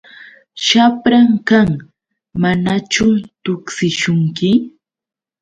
Shapran kan. ¿Manachu tuksishunki?